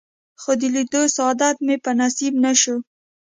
خو د لیدو سعادت مې په نصیب نه شو.